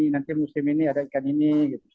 nanti musim ini ada ikan ini